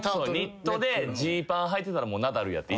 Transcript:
ニットでジーパンはいてたらナダルやっていじられる。